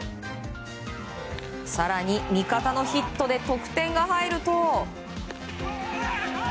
更に、味方のヒットで得点が入ると。